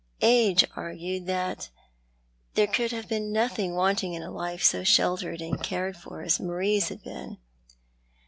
Age argued that there could have been nothing wanting in a life so sheltered and cared for as Marie's had been.